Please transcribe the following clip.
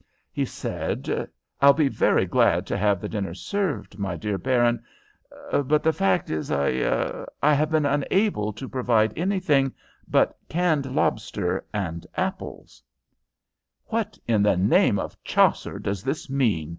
"Ahem!" he said. "I'll be very glad to have the dinner served, my dear Baron; but the fact is I er I have been unable to provide anything but canned lobster and apples." "What, in the name of Chaucer, does this mean?"